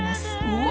うわ！